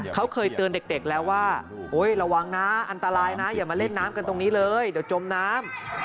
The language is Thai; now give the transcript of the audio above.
เขาเคยเตือนเด็กแล้วว่าระวังนะอันตรายนะอย่ามาเล่นน้ำกันตรงนี้เลยเดี๋ยวจมน้ำ